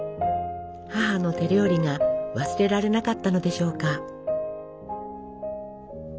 母の手料理が忘れられなかったのでしょうか。